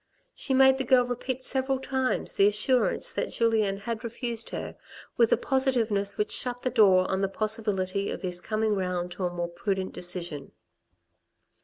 She made the girl repeat several times the assurance that Julien had refused her, with a positiveness which shut the door on the possibility of his coming round to a more prudent decision.